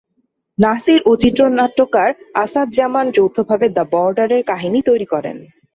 নাসির ও চিত্রনাট্যকার আসাদ জামান যৌথভাবে "দ্য বর্ডারের" কাহিনি তৈরী করেন।